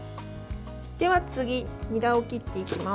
では次、ニラを切っていきます。